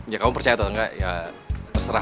ya kamu percaya atau enggak ya terserah